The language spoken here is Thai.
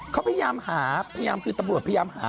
เขาพยายามหาพยายามคือตำรวจพยายามหา